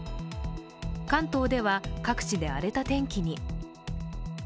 関東では各地で荒れた天気に。